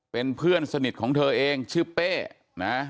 เป็นเพื่อนสนิทของเธอเองชื่อเป้นะ